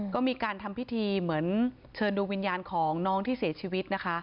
ก็มีการทำพิธีเหมือนเชิญดูวิญญาณของน้องที่เสียชีวิตนะคะ